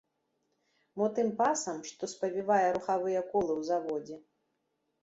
Мо тым пасам, што спавівае рухавыя колы ў заводзе?